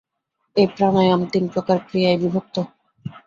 এই প্রাণায়াম তিন প্রকার ক্রিয়ায় বিভক্ত।